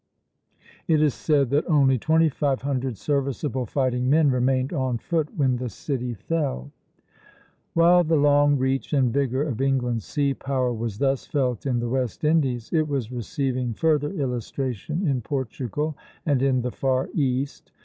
It is said that only twenty five hundred serviceable fighting men remained on foot when the city fell. While the long reach and vigor of England's sea power was thus felt in the West Indies, it was receiving further illustration in Portugal and in the far East.